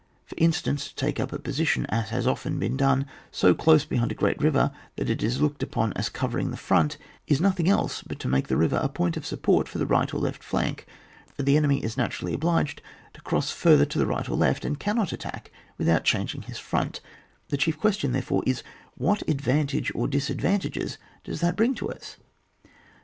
For instance, to take up a position, as has often been done, so close behind a great river that it is to be looked upon as covering the front, is nothing else but to make the river a point of support for the right or left fiank ; for the enemy is naturally obliged to cross farther to the right or left, and cannot attack without changing his front : the chief question, therefore, is what advantages or disad vantages does that bring to us